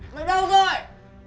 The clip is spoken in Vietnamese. mày đâu rồi